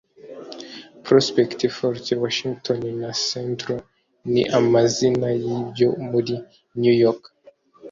Prospect, Fort Washington na Central ni amazina yibyo muri New York